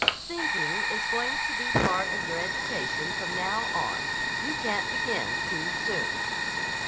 "Thinking is going to be part of your education from now on. You can't begin too soon."